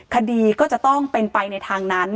คดีก็จะต้องเป็นไปในทางนั้น